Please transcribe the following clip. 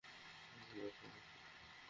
Computer, সহায়ক শক্তি।